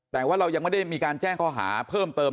แต่ว่าเรายังไม่ได้มีการแจ้งข้อหาเพิ่มเติม